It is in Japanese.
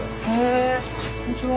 こんにちは。